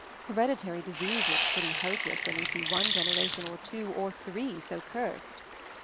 Hereditary disease looks pretty hopeless when you see one generation or two or three so cursed.